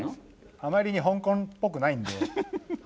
あまりに香港っぽくないんで外しました。